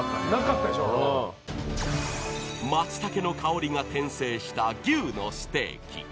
［マツタケの香りが転生した牛のステーキ］